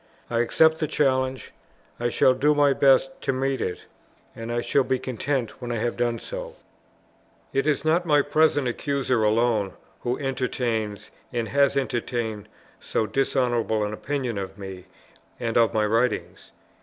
I accept the challenge; I shall do my best to meet it, and I shall be content when I have done so. It is not my present accuser alone who entertains, and has entertained, so dishonourable an opinion of me and of my writings.